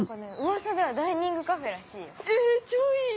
噂ではダイニングカフェらしいよ。